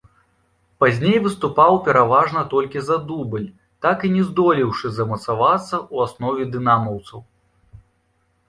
Пазней выступаў пераважна толькі за дубль, так і не здолеўшы замацавацца ў аснове дынамаўцаў.